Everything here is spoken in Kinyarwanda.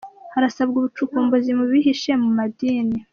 Harasabwa ubucukumbuzi mu bihishe mu madini